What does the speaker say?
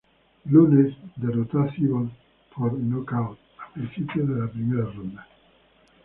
Nunes derrotó a Cyborg por nocaut a principios de la primera ronda.